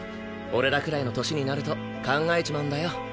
俺らくらいの年になると考えちまうんだよ